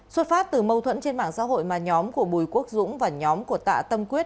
xuất phát từ mâu thuẫn trên mạng xã hội mà nhóm của bùi quốc dũng và nhóm của tạ tâm quyết